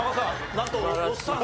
なんとおっさん